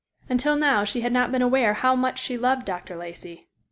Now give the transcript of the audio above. Until now she had not been aware how much she loved Dr. Lacey.